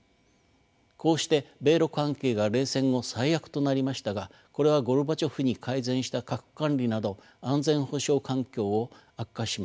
こうして米ロ関係が冷戦後最悪となりましたがこれはゴルバチョフ期に改善した核管理など安全保障環境を悪化しました。